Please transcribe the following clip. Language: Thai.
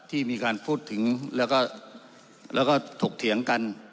ที่มีการพูดถึงแล้วก็ถกเถียงกัน